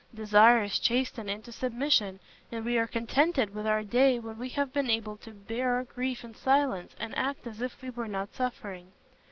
Desire is chastened into submission, and we are contented with our day when we have been able to bear our grief in silence and act as if we were not suffering.